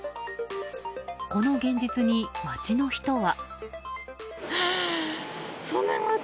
この現実に、街の人は。